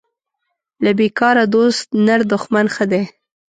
له بیکاره دوست نر دښمن ښه دی